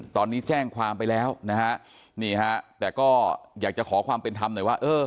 ตอนนี้แจ้งความไปแล้วนะฮะนี่ฮะแต่ก็อยากจะขอความเป็นธรรมหน่อยว่าเออ